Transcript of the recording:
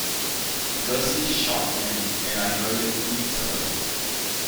Gussie shot in, and I heard the key turn.